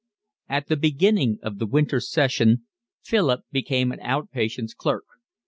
LXXXI At the beginning of the winter session Philip became an out patients' clerk.